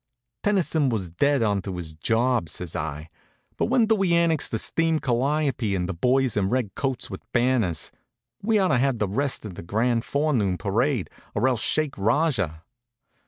"Tennyson was dead onto his job," says I. "But when do we annex the steam calliope and the boys in red coats with banners? We ought to have the rest of the grand forenoon parade, or else shake Rajah."